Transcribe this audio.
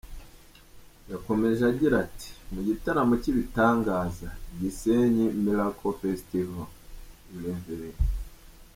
Yakomeje agira ati “Mu gitaramo cy’ibitangaza ‘Gisenyi Miracle Festival’, Rev.